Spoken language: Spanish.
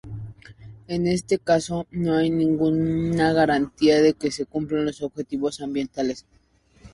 En este caso, no hay ninguna garantía de que se cumplan los objetivos ambientales.